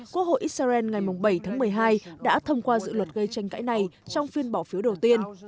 quốc hội israel ngày bảy tháng một mươi hai đã thông qua dự luật gây tranh cãi này trong phiên bỏ phiếu đầu tiên